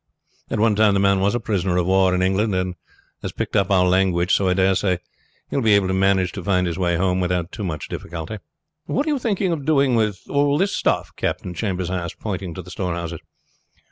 At one time the man was a prisoner of war in England and has picked up our language, so I dare say he will be able to manage to find his way home without difficulty." "What are you thinking of doing with all this stuff?" Captain Chambers asked, pointing to the storehouses.